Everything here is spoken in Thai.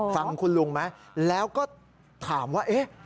ฟังคุณลุงไหมแล้วก็ถามว่าเอ๊ะ